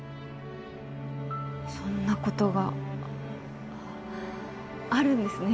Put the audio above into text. そんな事があるんですね。